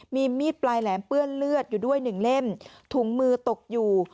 มีมีดปลายแหลมเปื้อนเลือดอยู่ด้วยหนึ่งเล่มถุงมือตกอยู่